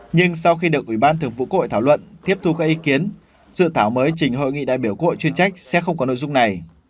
nhưng sau khi được ủy ban thường vụ quốc hội thảo luận tiếp thu các ý kiến dự thảo mới trình hội nghị đại biểu quốc hội chuyên trách sẽ không có nội dung này